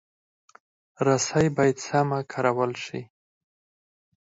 رسۍ باید سمه کارول شي.